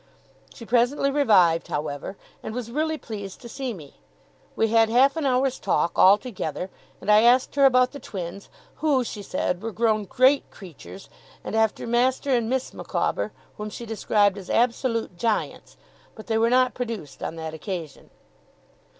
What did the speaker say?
She presently revived, however, and was really pleased to see me. We had half an hour's talk, all together; and I asked her about the twins, who, she said, were 'grown great creatures'; and after Master and Miss Micawber, whom she described as 'absolute giants', but they were not produced on that occasion.